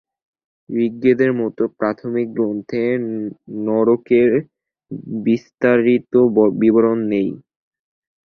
ঋগ্বেদের মতো প্রাথমিক গ্রন্থে নরকের বিস্তারিত বিবরণ নেই।